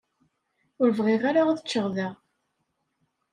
Ur bɣiɣ ara ad ččeɣ da.